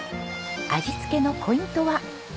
味付けのポイントは。